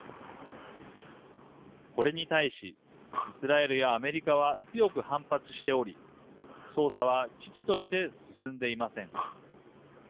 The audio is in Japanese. これに対しイスラエルやアメリカは強く反発しており捜査は遅々として進んでいません。